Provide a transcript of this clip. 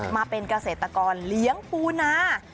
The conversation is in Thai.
มาเป็นเกษตรกรเลี้ยงปูนา